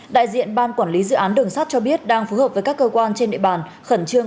đại diện ban quản lý dự án đường sắt cho biết đang phối hợp với các cơ quan trên địa bàn khẩn trương